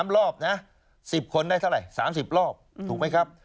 ๓รอบนะ๑๐คนได้เท่าไหร่๓๐รอบถูกไหมครับ